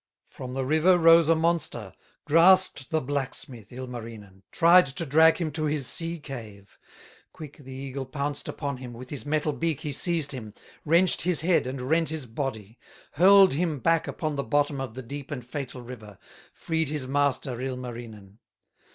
From the river rose a monster, Grasped the blacksmith, Ilmarinen, Tried to drag him to his sea cave; Quick the eagle pounced upon him, With his metal beak he seized him, Wrenched his head, and rent his body, Hurled him back upon the bottom Of the deep and fatal river, Freed his master, Ilmarinen.